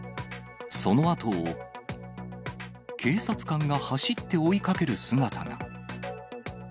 そのあとを警察官が走って追いかける姿が。